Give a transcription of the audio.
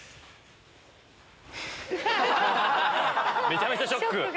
めちゃめちゃショック。